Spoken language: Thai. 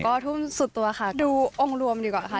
ก็ทุ่มสุดตัวค่ะดูองค์รวมดีกว่าค่ะ